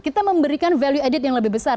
kita memberikan value added yang lebih besar